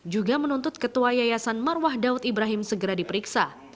juga menuntut ketua yayasan marwah daud ibrahim segera diperiksa